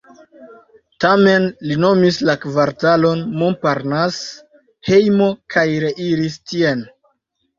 Tamen, li nomis la kvartalon Montparnasse hejmo kaj reiris tien.